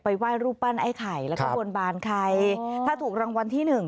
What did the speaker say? ไหว้รูปปั้นไอ้ไข่แล้วก็บนบานใครถ้าถูกรางวัลที่หนึ่ง